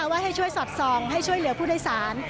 ว่าให้ช่วยสอดส่องให้ช่วยเหลือผู้โดยสาร